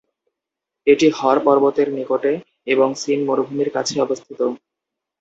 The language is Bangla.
এটি হর পর্বত এর নিকটে এবং সিন মরুভূমির কাছে অবস্থিত।